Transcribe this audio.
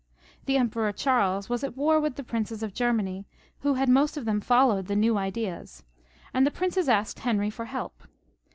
The Emperor Charles was at war with the princes of Germany, who had most of them followed the new ideas, and the princes asked Henry for help.